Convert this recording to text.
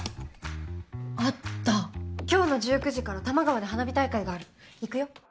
あった今日の１９時から多摩川で花火大会がある行くよ。